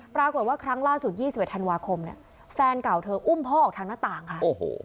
ปรากฏว่าครั้งล่าสุด๒๑ธันวาคมเนี่ยแฟนเก่าเธออุ้มพ่อออกทางหน้าต่างค่ะ